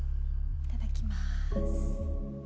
いただきます。